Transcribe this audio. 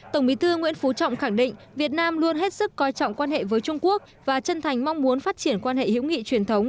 tổng bí thư nguyễn phú trọng khẳng định việt nam luôn hết sức coi trọng quan hệ với trung quốc và chân thành mong muốn phát triển quan hệ hữu nghị truyền thống